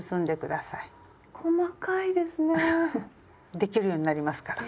できるようになりますから。